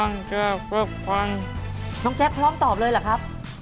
ฟังน้องแจ๊คพร้อมตอบเลยเหรอครับ